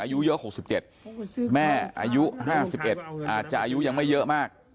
อายุเยอะหกสิบเจ็ดแม่อายุห้าสิบเอ็ดอาจจะอายุยังไม่เยอะมาก